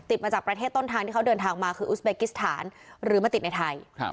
มาจากประเทศต้นทางที่เขาเดินทางมาคืออุสเบกิสถานหรือมาติดในไทย